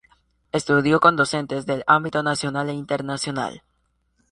Estudió con docentes del ámbito nacional e internacional.